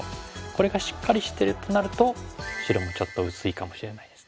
これがしっかりしてるとなると白もちょっと薄いかもしれないですね。